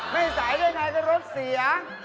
ไม่สายด้วยไงก็รถเสีย